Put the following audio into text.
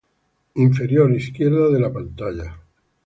inferior izquierda de la pantalla